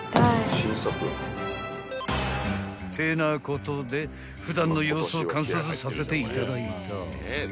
［ってなことで普段の様子を観察させていただいた］